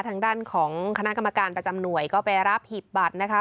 ทางด้านของคณะกรรมการประจำหน่วยก็ไปรับหีบบัตรนะคะ